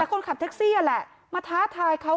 คนขับแท็กซี่นั่นแหละมาท้าทายเขา